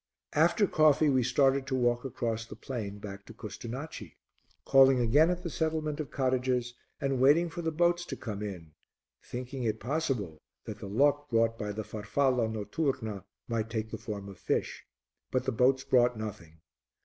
After coffee we started to walk across the plain back to Custonaci, calling again at the settlement of cottages and waiting for the boats to come in, thinking it possible that the luck brought by the farfalla notturna might take the form of fish. But the boats brought nothing.